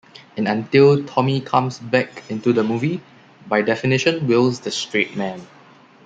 And until Tommy comes back into the movie, by definition Will's the straight man.